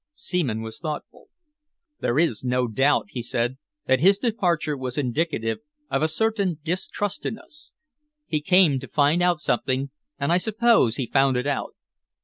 Seaman was thoughtful. "There is no doubt," he said, "that his departure was indicative of a certain distrust in us. He came to find out something, and I suppose he found it out.